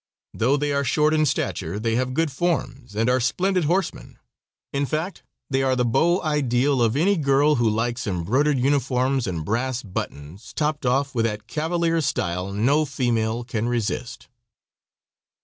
Though they are short in stature they have good forms and are splendid horsemen. In fact, they are the beau ideal of any girl who likes embroidered uniforms and brass buttons, topped off with that cavalier style no female can resist.